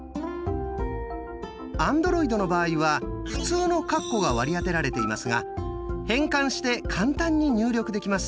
アンドロイドの場合は普通のカッコが割り当てられていますが変換して簡単に入力できます。